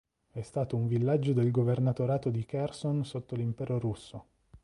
È stato un villaggio del Governatorato di Cherson sotto l'Impero russo.